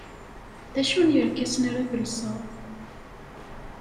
D acu n yerkasen ara telseḍ?